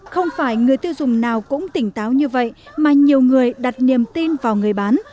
không phải người tiêu dùng nào cũng tỉnh táo như vậy mà nhiều người đặt niềm tin vào người bán